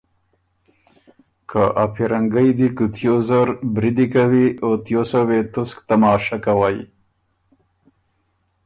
که ا پیرنګئ دی کوتیوس زر بریدی کوی او تیوسه وې تسک تماشه کوئ